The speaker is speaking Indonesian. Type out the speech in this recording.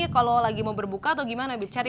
kalau lagi mau berbuka atau gimana bicara